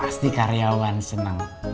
pasti karyawan seneng